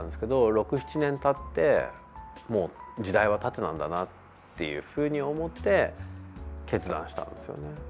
６、７年たって、もう時代は縦なんだなっていうふうに思って決断したんですよね。